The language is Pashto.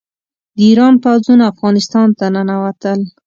د ایران پوځونه افغانستان ته ننوتل.